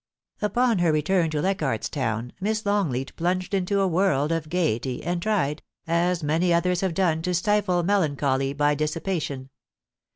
Upon her return to Leichardt's Town, Miss Longleat plunged into a world of gaiety, and tried, as many others have done, to stifle melancholy by dissipation.